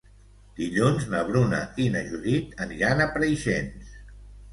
Dilluns na Bruna i na Judit aniran a Preixens.